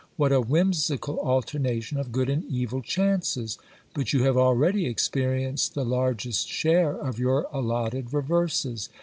What a whimsical alternation of good and evil chances ! But you have already experienced the largest share of your allotted reverses.